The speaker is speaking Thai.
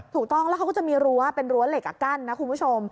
ถูกต้องแล้วเขาก็จะมีรั้วเป็นรั้วเหล็กกั้นนะคุณผู้ชม